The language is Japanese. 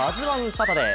サタデー。